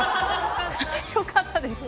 良かったです。